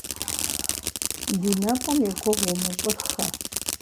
Ди нэкӀум и гугъу умыщӀыххэ.